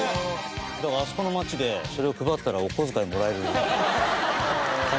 だからあそこの町でそれを配ったらお小遣いもらえる可能性がありますよね。